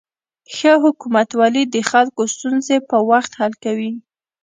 ښه حکومتولي د خلکو ستونزې په وخت حل کوي.